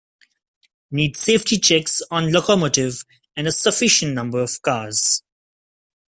Need safety checks on locomotive and a sufficient number of cars.